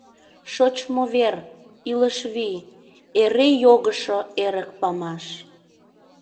Шочмо вер, илыш вий — Эре йогышо эрык памаш.